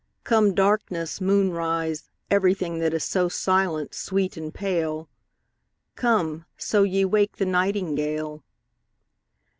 Come darkness, moonrise, every thing That is so silent, sweet, and pale: Come, so ye wake the nightingale.